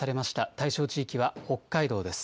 対象地域は北海道です。